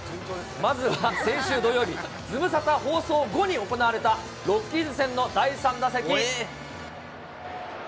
まずは先週土曜日、ズムサタ放送後に行われたロッキーズ戦の第３打席。